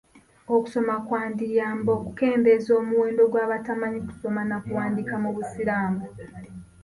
Okusoma kwandiyamba okukendeeza omuwendo gw'abatamanyi kusoma na kuwandiika mu busiramu.